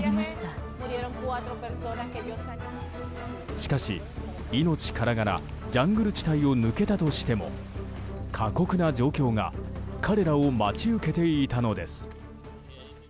しかし、命からがらジャングル地帯を抜けたとしても過酷な状況が彼らを待ち受けていたのです。